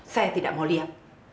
saya tidak mau lihat